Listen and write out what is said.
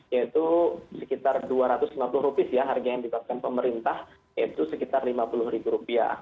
yaitu sekitar dua ratus lima puluh rupiah ya harga yang dipasarkan pemerintah itu sekitar lima puluh rupiah